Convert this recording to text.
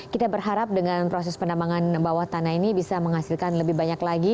kita berharap dengan proses penambangan bawah tanah ini bisa menghasilkan lebih banyak lagi